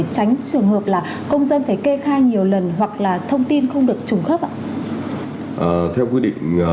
tránh trường hợp là công dân phải kê khai nhiều lần hoặc là thông tin không được trùng khớp ạ